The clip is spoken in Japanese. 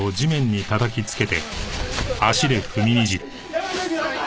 やめてください！